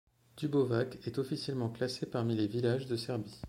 Dubovac est officiellement classé parmi les villages de Serbie.